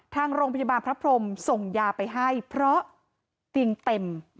ทางโรงพยาบาลพระพรมส่งยาไปให้เพราะเตียงเต็ม